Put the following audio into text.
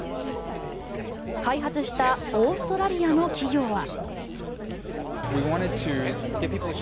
開発したオーストラリアの企業は。